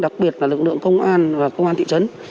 đặc biệt là lực lượng công an và công an thị trấn